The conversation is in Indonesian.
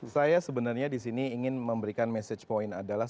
saya sebenarnya di sini ingin memberikan message point adalah